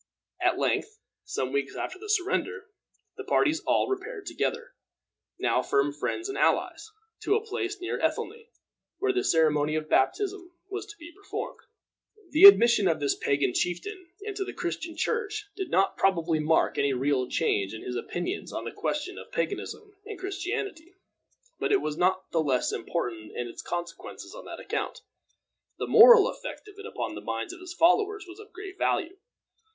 At length, some weeks after the surrender, the parties all repaired together, now firm friends and allies, to a place near Ethelney, where the ceremony of baptism was to be performed. The admission of this pagan chieftain into the Christian Church did not probably mark any real change in his opinions on the question of paganism and Christianity, but it was not the less important in its consequences on that account. The moral effect of it upon the minds of his followers was of great value.